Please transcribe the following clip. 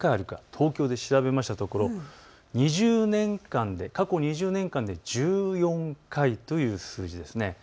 東京で調べましたところ過去２０年間で１４回という数字です。